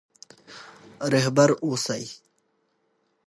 رهبر اوسئ.